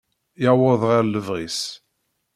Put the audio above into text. Yuweḍ ɣer lebɣi-s.